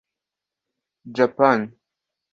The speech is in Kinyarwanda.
Japan